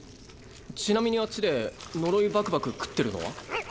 ちなみにあっちで呪いバクバク食ってるのは？